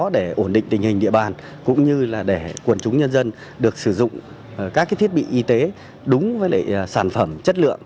để ổn định tình hình địa bàn cũng như là để quần chúng nhân dân được sử dụng các thiết bị y tế đúng với sản phẩm chất lượng